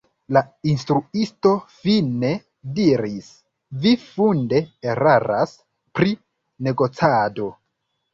La instruisto fine diris: “Vi funde eraras pri negocado.